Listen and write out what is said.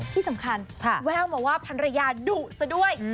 ที่สำคัญแววมาว่าพันรยาดุซะด้วย